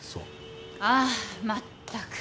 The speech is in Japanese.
ああまったく。